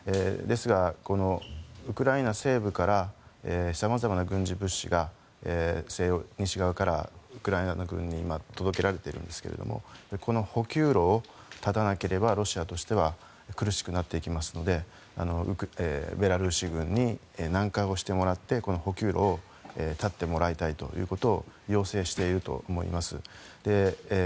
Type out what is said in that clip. ですが、ウクライナ西部からさまざまな軍事物資が西欧、西側からウクライナ軍に届けられているんですけれどもこの補給路を断たなければロシアとしては苦しくなっていきますのでベラルーシ軍に南下してもらってこの補給路を断ってもらいたいということを要請していると思います。